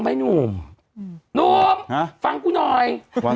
แต่หนูจะเอากับน้องเขามาแต่ว่า